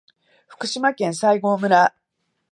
福島県西郷村